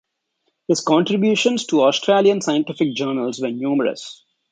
His contributions to Australian scientific journals were numerous.